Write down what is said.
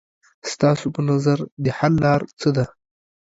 ستاسو په نظر د حل لاره څه ده؟